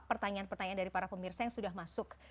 pertanyaan pertanyaan dari para pemirsa yang sudah masuk